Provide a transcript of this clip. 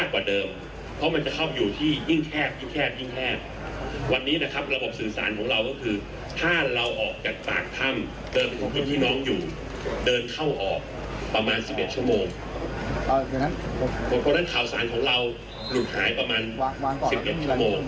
เพราะฉะนั้นข่าวสารของเราหลุดหายประมาณ๑๑ชั่วโมง